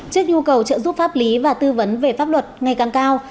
trước nhu cầu trợ giúp pháp lý và tư vấn về pháp luật ngày càng cao